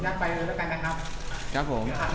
ขออนุญาตไปเลยแล้วกันนะครับ